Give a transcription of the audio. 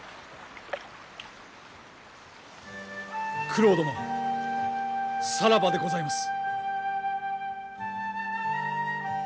九郎殿さらばでございます。